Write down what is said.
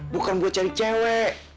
bukan buat cari cewek